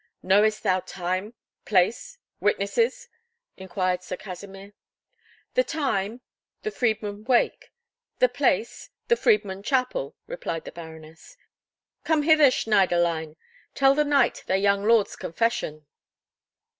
"Knowest thou time—place—witnesses?" inquired Sir Kasimir. "The time, the Friedmund Wake; the place, the Friedmund Chapel," replied the Baroness. "Come hither, Schneiderlein. Tell the knight thy young lord's confession."